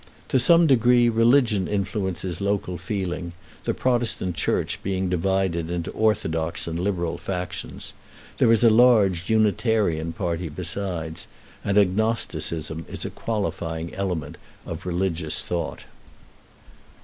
To some degree religion influences local feeling, the Protestant Church being divided into orthodox and liberal factions; there is a large Unitarian party besides, and agnosticism is a qualifying element of religious thought.